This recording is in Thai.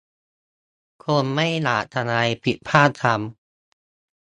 คงไม่อยากทำอะไรผิดพลาดซ้ำ